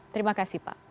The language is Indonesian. terima kasih pak